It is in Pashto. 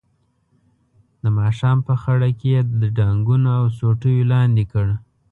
د ماښام په خړه کې یې د ډانګونو او سوټیو لاندې کړ.